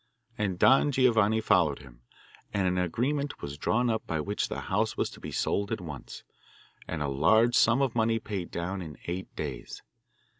And Don Giovanni followed him, and an agreement was drawn up by which the house was to be sold at once, and a large sum of money paid down in eight days.